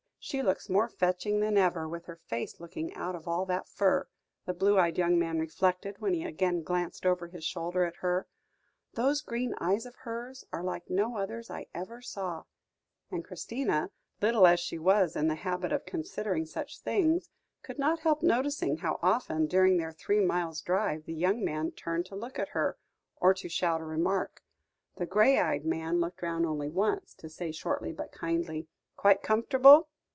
she looks more fetching than ever, with her face looking out of all that fur," the blue eyed young man reflected, when he again glanced over his shoulder at her, "those green eyes of hers are like no others I ever saw," and Christina, little as she was in the habit of considering such things, could not help noticing how often during their three miles' drive, the young man turned to look at her, or to shout a remark. The grey eyed man looked round only once, to say shortly but kindly: "Quite comfortable?"